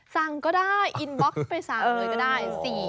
สั่งก็ได้อินบ็อกซ์ไปสั่งเลยก็ได้